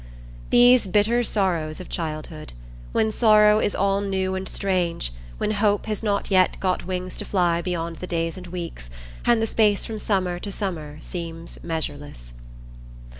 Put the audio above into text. These bitter sorrows of childhood! when sorrow is all new and strange, when hope has not yet got wings to fly beyond the days and weeks, and the space from summer to summer seems measureless.